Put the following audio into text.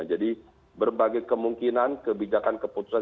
jadi berbagai kemungkinan kebijakan keputusan